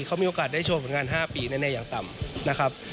เขามีโอกาสได้โชว์ผลงาน๕ปีแน่อย่างต่ำนะครับ